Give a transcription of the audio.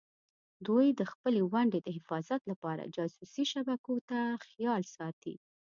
دوی د خپلې ونډې د حفاظت لپاره جاسوسي شبکو ته خیال ساتي.